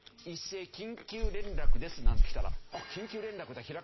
一斉「緊急連絡です」なんてきたら緊急連絡だ！